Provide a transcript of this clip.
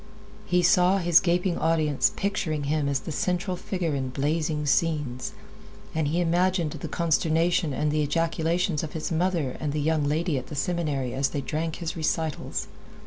He saw his gaping audience picturing him as the central figure in blazing scenes. And he imagined the consternation and the ejaculations of his mother and the young lady at the seminary as they drank his recitals.